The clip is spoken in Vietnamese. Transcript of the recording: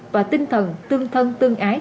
và tinh thần tương thân tương ái